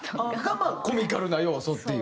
がコミカルな要素という。